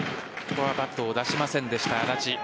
ここはバットを出しませんでした安達。